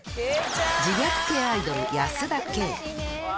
自虐系アイドル、保田圭。